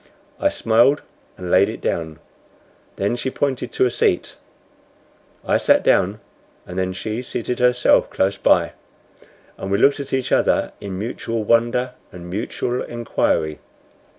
I smiled and laid it down. Then she pointed to a seat. I sat down, and then she seated herself close by me, and we looked at each other in mutual wonder and mutual inquiry.